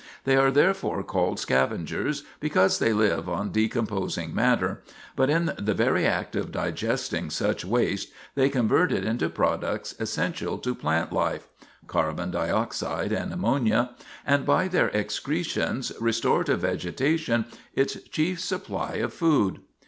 They are therefore called scavengers, because they live on decomposing matter; but in the very act of digesting such waste they convert it into products essential to plant life (carbon dioxide and ammonia) and by their excretions restore to vegetation its chief supply of food.